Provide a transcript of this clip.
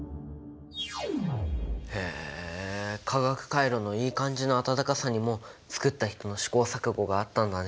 へえ化学カイロのいい感じの温かさにも作った人の試行錯誤があったんだね。